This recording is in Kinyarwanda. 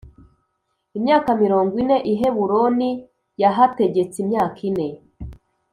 imyaka mirongo ine I Heburoni yahategetse imyaka ine